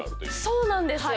そうなんですよ。